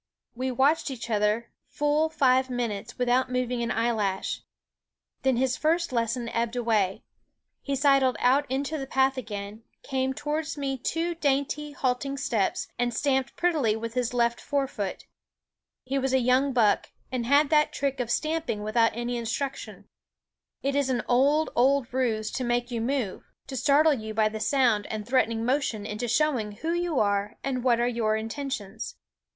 We watched each other full five minutes without moving an eyelash. Then his first lesson ebbed away. He sidled out into the path again, came towards me two dainty, halting steps, and stamped prettily with his left fore foot. He was a young buck, and had that trick of stamping without any instruction. It is an old, old ruse to make you move, to startle you by the sound and threatening motion into showing who you are and what are your intentions.